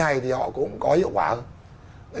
sau này thì họ cũng có hiệu quả hơn